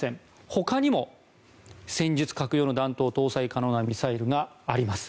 ほかにも戦術核用の弾頭搭載可能なミサイルがあります。